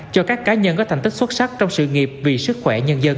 cho các cá nhân có thành tích xuất sắc trong sự nghiệp vì sức khỏe nhân dân